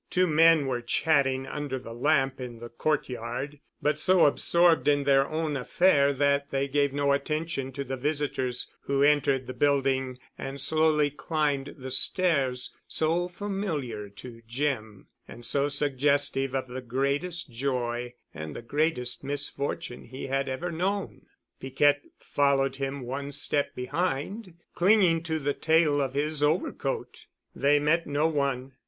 Two men were chatting under the lamp in the court yard, but so absorbed in their own affair that they gave no attention to the visitors who entered the building and slowly climbed the stairs, so familiar to Jim, and so suggestive of the greatest joy and the greatest misfortune he had ever known. Piquette followed him one step behind, clinging to the tail of his overcoat. They met no one.